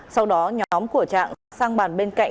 sau đó nhóm của trạng sang bàn bên cạnh